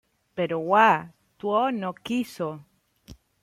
Pero Hua Tuo no quiso.